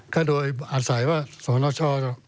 เขาโดนแสนว่าบรรตัศนช่อ